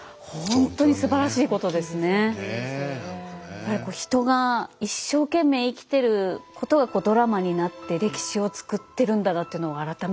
やっぱり人が一生懸命生きてることがドラマになって歴史をつくってるんだなっていうのを改めて思いました。